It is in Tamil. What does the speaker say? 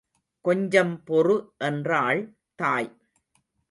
கொஞ்சம் பொறு என்றாள் தாய்.